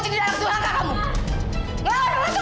ngapain anak kamu